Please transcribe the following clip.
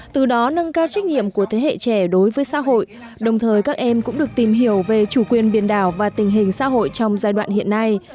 từ đó nâng cao trách nhiệm của thế hệ trẻ đối với xã hội đồng thời các em cũng được tìm hiểu về chủ quyền biển đảo và tình hình xã hội trong giai đoạn hiện nay